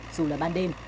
dù là ban đêm